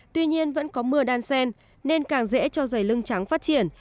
tuy nhiên vẫn có mưa đan sen nên càng dễ cho dày lưng trắng phát triển